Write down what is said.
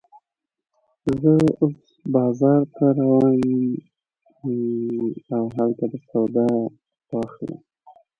د هغه پلار غوښتل چې پاولو انجنیر شي.